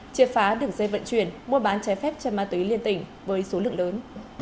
chia phá đường dây vận chuyển mua bán trái phép cho ma túy liên tỉnh với số lượng lớn